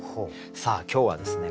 さあ今日はですね